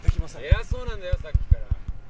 偉そうなんだよさっきから。